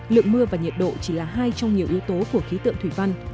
lượng mưa và nhiệt độ chỉ là hai trong nhiều yếu tố của khí tượng thủy văn